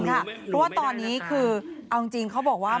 เพราะว่าตอนนี้คือเอาจริงเขาบอกว่า